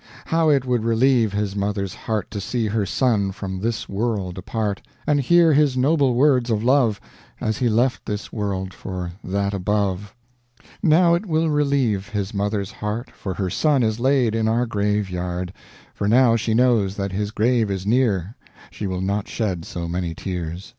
How it would relieve his mother's heart To see her son from this world depart, And hear his noble words of love, As he left this world for that above. Now it will relieve his mother's heart, For her son is laid in our graveyard; For now she knows that his grave is near, She will not shed so many tears.